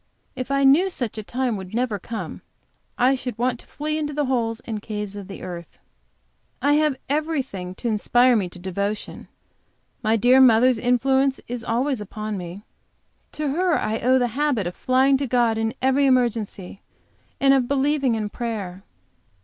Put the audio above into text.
If I knew such a time would never come, I should want to flee into the holes and caves of the earth. I have everything to inspire me to devotion. My dear mother's influence is always upon me. To her I owe the habit of flying to God in every emergency, and of believing in prayer.